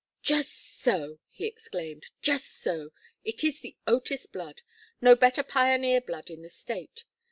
"Just so!" he exclaimed. "Just so! It is the Otis blood. No better pioneer blood in the State.